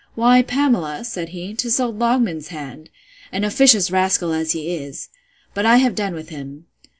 Why, Pamela, said he, 'tis old Longman's hand: an officious rascal as he is!—But I have done with him.